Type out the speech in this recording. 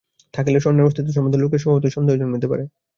থাকিলে স্বর্ণের অস্তিত্ব সম্বন্ধে লোকের স্বভাবতই সন্দেহ জন্মিতে পারে।